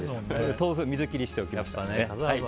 豆腐、水切りしておきました。